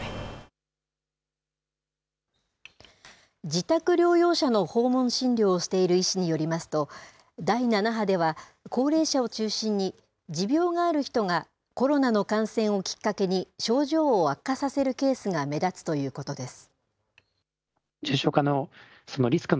自宅療養者の訪問診療をしている医師によりますと、第７波では、高齢者を中心に、持病がある人がコロナの感染をきっかけに、症状を悪化させるケースが目立つということです。